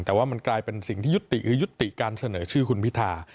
แต่ว่ามันกลายเป็นสิ่งที่ยุติคือยุติการเสนอชื่อคุณพิธา